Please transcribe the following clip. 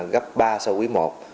gấp ba so với quý một